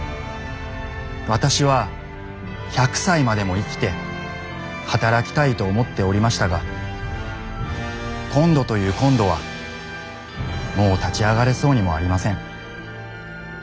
私は１００歳までも生きて働きたいと思っておりましたが今度という今度はもう立ち上がれそうにもありません。